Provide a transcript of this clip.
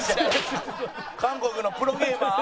韓国のプロゲーマー。